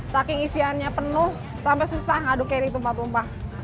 saking isiannya penuh sampai susah ngaduk kayak gitu mbak bomba